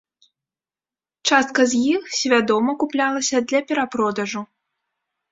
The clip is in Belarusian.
Частка з іх свядома куплялася для перапродажу.